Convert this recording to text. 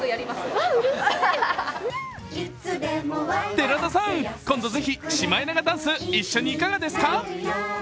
寺田さん、今度ぜひシマエナガダンス、一緒にいかがですか？